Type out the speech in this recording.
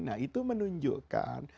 nah itu menunjukkan